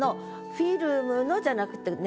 「フィルムの」じゃなくてね